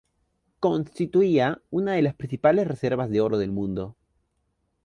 Constituía una de las principales reservas de oro del mundo.